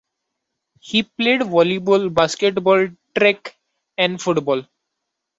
He played volleyball, basketball, track, and football.